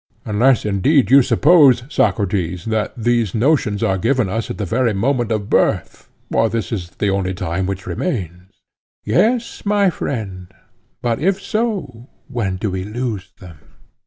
Unless indeed you suppose, Socrates, that these notions are given us at the very moment of birth; for this is the only time which remains. Yes, my friend, but if so, when do we lose them?